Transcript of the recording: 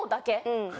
うん。